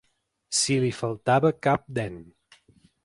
Si li faltava cap dent.